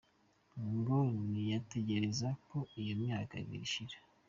Ngo niyategereza ko iyo myaka ibiri ishira.